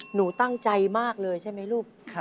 หนูตั้งใจมากเลยใช่ไหมลูก